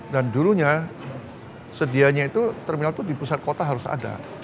dan dulunya sedianya itu terminal itu di pusat kota harus ada